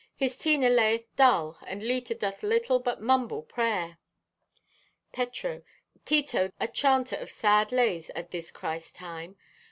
His Tina layeth dull and Leta doth little but mumble prayer." (Petro) "Tito, thee art a chanter of sad lays at this Christ time.